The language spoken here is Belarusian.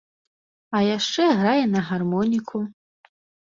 А яшчэ грае на гармоніку.